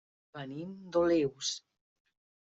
Venim d'Olius.